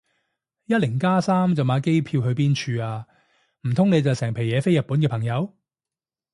一零加三就買機票去邊處啊？唔通你就係成皮嘢飛日本嘅朋友